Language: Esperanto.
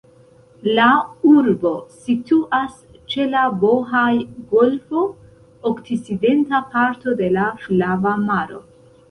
La urbo situas ĉe la Bohaj-golfo, okcidenta parto de la Flava Maro.